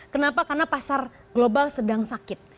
kenapa karena pasar global sedang sakit